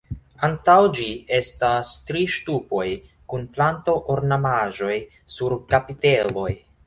Antaŭ ĝi estas tri ŝtupoj kun planto-ornamaĵoj sur kapiteloj.